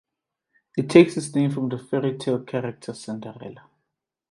It takes its name from the fairy tale character Cinderella.